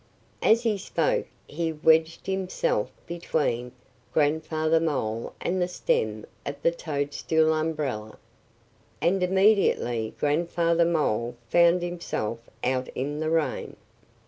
As he spoke he wedged himself between Grandfather Mole and the stem of the toadstool umbrella. And immediately Grandfather Mole found himself out in the rain.